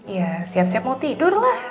iya siap siap mau tidur lah